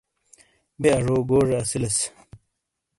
بے اجو گوجے اسیلیس۔